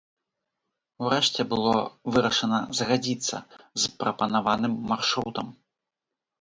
Урэшце было вырашана згадзіцца з прапанаваным маршрутам.